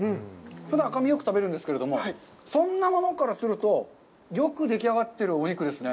ふだん、赤身をよく食べるんですけど、そんなものからすると、よくでき上がってるお肉ですね。